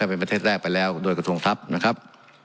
เป็นประเทศแรกไปแล้วโดยกระทรวงทัพนะครับ